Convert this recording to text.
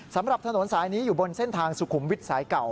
สำหรับถนนสายนี้อยู่บนเส้นทางสุขุมวิทย์สายเก่า